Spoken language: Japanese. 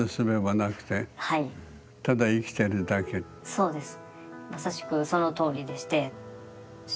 そうです。